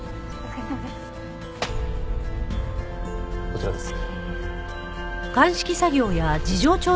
こちらです。